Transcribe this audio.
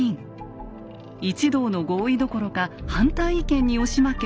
一同の合意どころか反対意見に押し負け